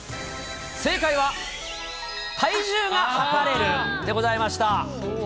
正解は、体重が量れるでございました。